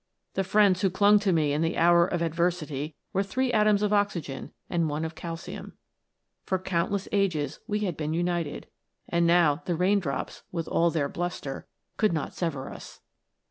The friends who clung to me in the hour of adversity were three atoms of oxygen and one atom of calcium. For countless ages we had been united, and now the rain drops, with all their bluster, could not sever us.